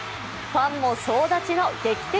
ファンも総立ちの劇的